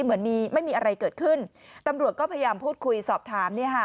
เหมือนมีไม่มีอะไรเกิดขึ้นตำรวจก็พยายามพูดคุยสอบถาม